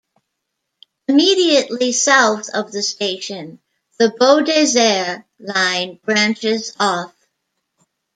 Immediately south of the station, the Beaudesert line branches off.